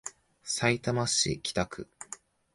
さいたま市北区